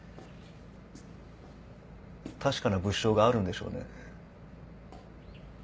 確かな物証があるんでしょうね。